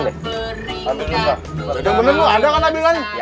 udah bener lu ada kan abilannya